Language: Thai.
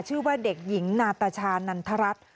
ชื่อว่าเด็กหญิงนาตาชานันทรัศน์